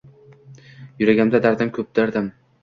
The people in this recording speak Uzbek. Yuragimda dardim koʼp, dardim